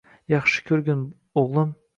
Yaxshi ko‘rgin, o‘g‘lim.